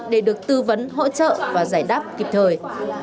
để được tư vấn hỗ trợ và giải đáp kịp thời